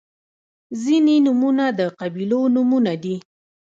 • ځینې نومونه د قبیلو نومونه دي.